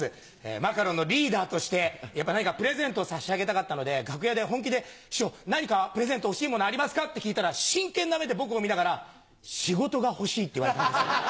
マカロンのリーダーとして何かプレゼントを差し上げたかったので楽屋で本気で「師匠何かプレゼント欲しいものありますか？」って聞いたら真剣な目で僕を見ながら「仕事が欲しい」って言われたんですよ。